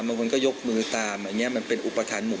บางคนก็ยกมือตามอันนี้มันเป็นอุปทานหมู่